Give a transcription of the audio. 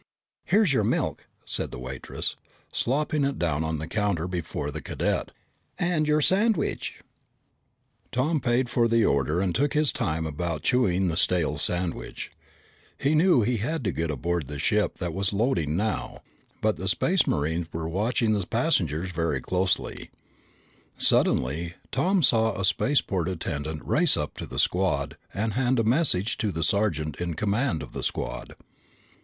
"Here's your milk!" said the waitress, slopping it down on the counter before the cadet. "And your sandwich!" [Illustration: Tom saw that the Space Marines were watching the passengers very closely] Tom paid for the order and took his time about chewing the stale sandwich. He knew he had to get aboard the ship that was loading now, but the Space Marines were watching the passengers very closely. Suddenly Tom saw a spaceport attendant race up to the squad and hand a message to the sergeant in command of the squad.